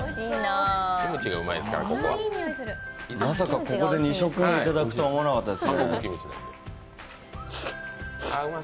まさかここで２食目いただくとは思わなかったです。